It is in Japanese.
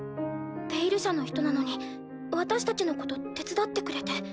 「ペイル社」の人なのに私たちのこと手伝ってくれて。